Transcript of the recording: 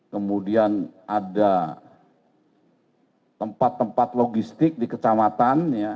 kemudian ada tempat tempat logistik di kecamatan